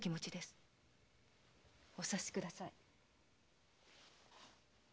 お察しください。